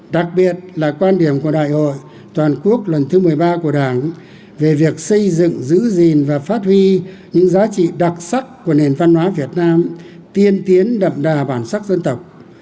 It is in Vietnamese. đặc biệt là quan điểm của đại hội toàn quốc lần thứ một mươi ba của đảng về việc xây dựng giữ gìn và phát huy những giá trị đặc sắc của nền văn hóa việt nam tiên tiến đậm đà bản sắc dân tộc